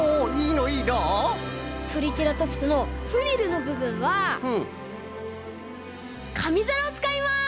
トリケラトプスのフリルのぶぶんはかみざらをつかいます！